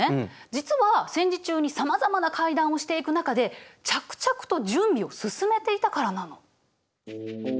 実は戦時中にさまざまな会談をしていく中で着々と準備を進めていたからなの。